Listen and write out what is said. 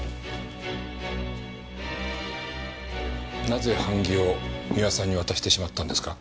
なぜ版木を三輪さんに渡してしまったんですか？